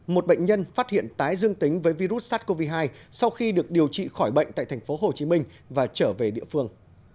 một bệnh nhân phát hiện tái dương tính với virus sars cov hai sau khi được điều trị khỏi bệnh tại tp hcm và trở về địa phương